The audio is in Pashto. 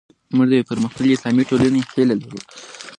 موږ د یوې پرمختللې اسلامي ټولنې هیله لرو.